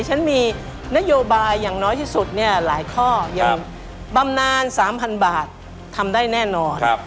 ฉันมีนโยบายอย่างน้อยที่สุดเนี่ยหลายข้ออย่างบำนาน๓๐๐บาททำได้แน่นอน